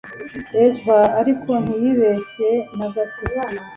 Eva ariko ntiyibeshye nagato